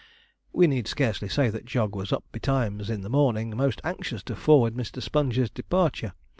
We need scarcely say that Jog was up betimes in the morning, most anxious to forward Mr. Sponge's departure.